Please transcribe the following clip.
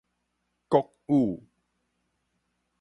榖雨